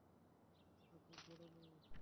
এটা খুব বড় নয়।